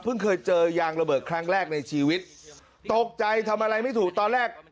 เคยเจอยางระเบิดครั้งแรกในชีวิตตกใจทำอะไรไม่ถูกตอนแรก